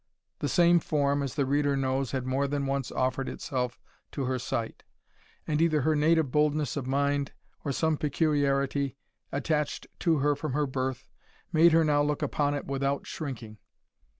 The same form, as the reader knows, had more than once offered itself to her sight; and either her native boldness of mind, or some peculiarity attached to her from her birth, made her now look upon it without shrinking.